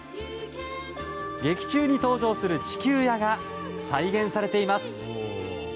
劇中に登場する地球屋が再現されています。